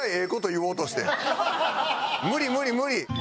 無理無理無理！